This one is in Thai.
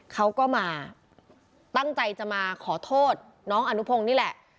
เขาก็มาตั้งใจจะมาขอโทษน้องอนุพงศ์นี่แหละ